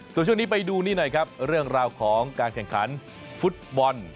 ส่วนช่วงนี้ไปดูนี่หน่อยครับเรื่องราวของการแข่งขันฟุตบอล